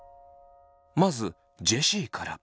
まずジェシーから。